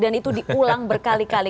dan itu diulang berkali kali